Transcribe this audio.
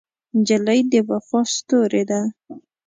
نجلۍ د وفا ستورې ده.